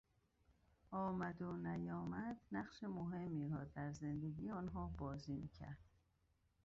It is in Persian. آمد و نیامد نقش مهمی را در زندگی آنها بازی میکرد.